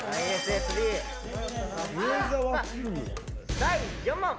第４問。